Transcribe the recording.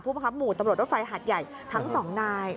ประคับหมู่ตำรวจรถไฟหาดใหญ่ทั้งสองนาย